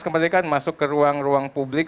kemerdekaan masuk ke ruang ruang publik